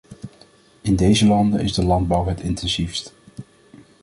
In deze landen is de landbouw het intensiefst.